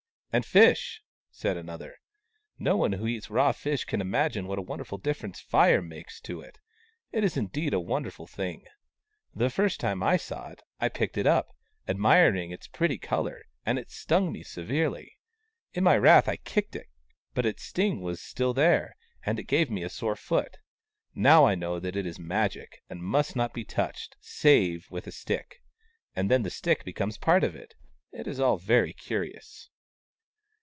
" And fish !" said another. " No one who eats raw fish can imagine what a difference Fire makes to it. It is indeed a wonderful thing. The first time I saw it, I picked it up, admiring its pretty colour, and it stung me severely. In my wrath I kicked it, but its sting was still there, and it gave me a very sore foot. Now I know that it is Magic, and must not be touched, save with a stick — andthen the stick becomes part of it. It is all very curious."